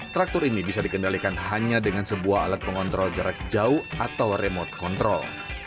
traktor ini bisa dikendalikan hanya dengan sebuah alat pengontrol jarak jauh atau remote control